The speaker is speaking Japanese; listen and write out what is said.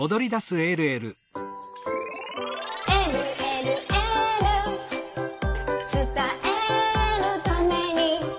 「えるえるエール」「つたえるために」